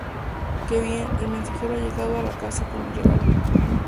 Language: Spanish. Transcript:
¡Qué bien! El mensajero ha llegado a casa con mi regalo